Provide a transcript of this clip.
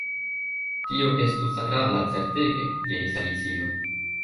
"Tio estus agrabla, certege," diris Alicio.